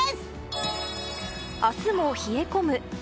明日も冷え込む。